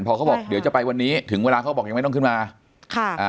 พอเขาบอกเดี๋ยวจะไปวันนี้ถึงเวลาเขาบอกยังไม่ต้องขึ้นมาค่ะอ่า